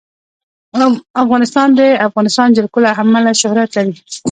افغانستان د د افغانستان جلکو له امله شهرت لري.